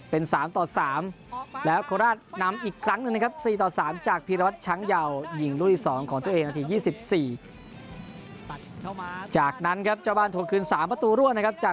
เป็น๓ต่อ๓และฮลาดนำอีกครั้งหนึ่งนะครับ